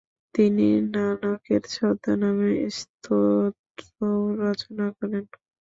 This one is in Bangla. তিনি নানকের ছদ্মনামে স্তোত্রও রচনা করেন।